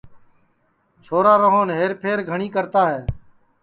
چھورا روہن ہئر پھئر گھٹؔی کرتا ہے